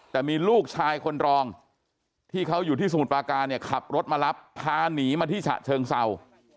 แต่มีลูกชายคนรองที่เขาอยู่ที่สมุทรปราการเนี่ยขับรถมารับพาหนีมาที่ฉะเชิงเศร้า